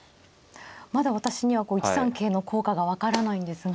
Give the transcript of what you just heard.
まだ私には１三桂の効果が分からないんですが。